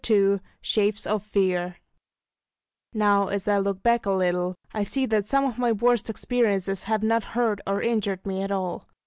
II SHAPES OF FEAR Now as I look back a little, I see that some of my worst experiences have not hurt or injured me at all.